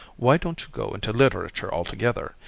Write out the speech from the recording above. Why don't you go into literature altogether?